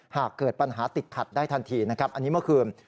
หากเกิดปัญหาติดขัดได้ทันทีนะครับอันนี้เมื่อคืน